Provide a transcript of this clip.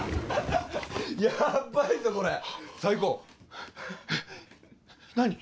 ヤバいぞこれ最高えっ何？